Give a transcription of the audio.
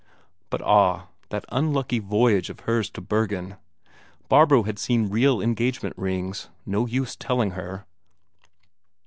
But ah, that unlucky voyage of hers to Bergen! Barbro had seen real engagement rings no use telling her!